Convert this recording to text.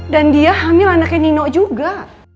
dan dia hamil anaknya nino juga